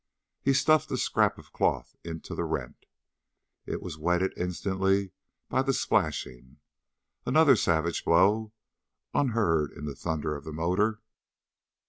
He stuffed the scrap of cloth into the rent. It was wetted instantly by the splashing. Another savage blow, unheard in the thunder of the motor.